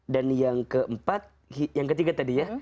dan yang keempat yang ketiga tadi ya